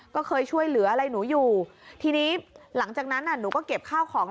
ก็เคยช่วยเหลืออะไรหนูอยู่ทีนี้หลังจากนั้นหนูก็เก็บข้าวของ